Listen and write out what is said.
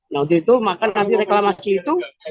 nah untuk itu maka nanti reklamasi itu